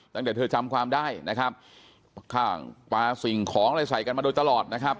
ตั้งแต่เธอจำความได้นะครับข้างปลาสิ่งของอะไรใส่กันมาโดยตลอดนะครับ